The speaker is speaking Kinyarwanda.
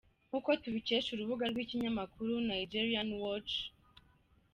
Nk’uko tubikesha urubuga rw’ikinyamakuru Nigerian Watch, Rev.